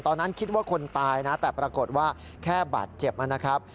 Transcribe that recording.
ตอนนั้นคิดว่าคนตายแต่ปรากฏว่าแค่บาดเจ็บ